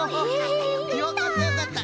よかったよかった。